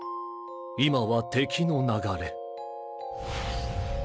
今は敵の流れ